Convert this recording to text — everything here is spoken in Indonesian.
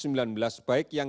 baik yang kita melakukan